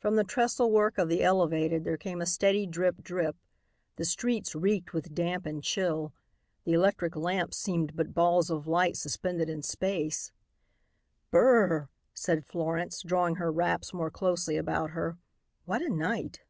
From the trestlework of the elevated there came a steady drip drip; the streets reeked with damp and chill; the electric lamps seemed but balls of light suspended in space. "B r r!" said Florence, drawing her wraps more closely about her. "What a night!"